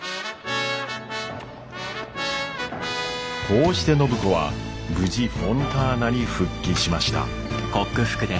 こうして暢子は無事フォンターナに復帰しました。